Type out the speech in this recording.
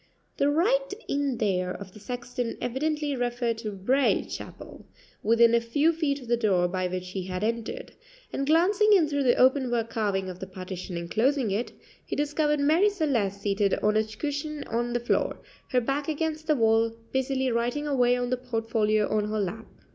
The "right in there" of the sexton evidently referred to Braye Chapel, within a few feet of the door by which he had entered; and glancing in through the open work carving of the partition enclosing it, he discovered Marie Celeste seated on a cushion on the floor, her back against the wall, busily writing away on the portfolio on her lap.